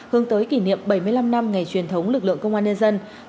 hướng tới kỷ niệm bảy mươi năm năm ngày truyền thống lực lượng công an nhân dân